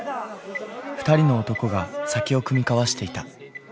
２人の男が酒を酌み交わしていた。